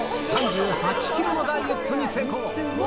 ３８ｋｇのダイエットに成功！